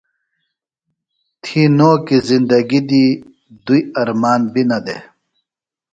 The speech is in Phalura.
تھی نو کیۡ زندگیۡ دی دوئی ارمان بیۡ نہ دےۡ۔